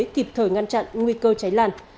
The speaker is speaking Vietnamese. kịp thời ngăn chặn nguy cơ cháy làn